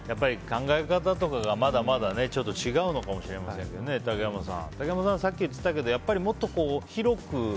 考え方とかがまだまだ違うのかもしれませんけど竹山さんはさっき言ってたけどもっと広く。